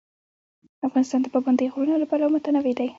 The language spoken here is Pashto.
افغانستان د پابندی غرونه له پلوه متنوع دی.